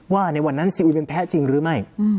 ว่าในวันนั้นซีอุยมันแพ้จริงหรือไม่